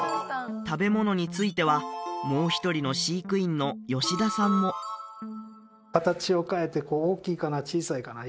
食べ物についてはもう一人の飼育員の吉田さんも形を変えて大きいかな小さいかな